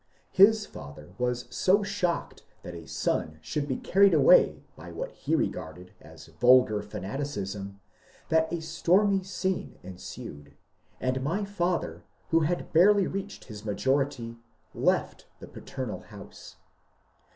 His father was so shocked that a son should be carried away by what he regarded as vulgar fanaticism that a stormy scene ensued, and my father, who had barely reached his majority, left the paternal house.